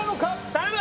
頼む！